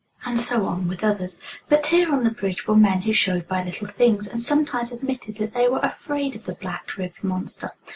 And so on with others. But here on the bridge were men who showed by little things, and sometimes admitted, that they were afraid of the black ribbed monster.